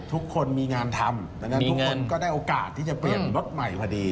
ทุกคนมีงานทำดังนั้นทุกคนก็ได้โอกาสที่จะเปลี่ยนรถใหม่พอดี